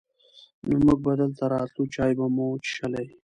نو مونږ به دلته راتلو، چای به مو چښلې.